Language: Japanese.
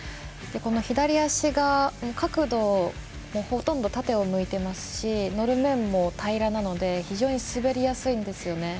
左足が角度、ほとんど縦を向いていますし乗る面も平らなので非常に滑りやすいんですよね。